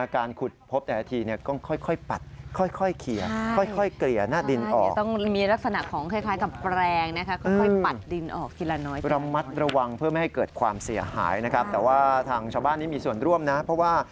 การขุดพบไดโนเสาร์ก็ค่อยปัด